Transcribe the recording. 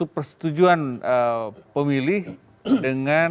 persetujuan pemilih dengan